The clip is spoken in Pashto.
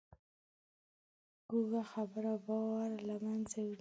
کوږه خبره باور له منځه وړي